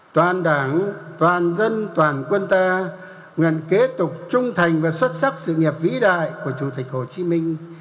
toàn đảng toàn dân toàn quân ta nguyện kế tục trung thành và xuất sắc sự nghiệp vĩ đại của chủ tịch hồ chí minh